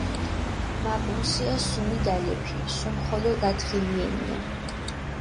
მა პუნსია სუმი დალეფი, სუმხოლო გათხილიენია.